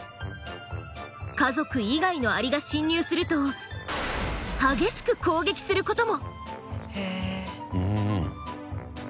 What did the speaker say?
家族以外のアリが侵入すると激しく攻撃することも。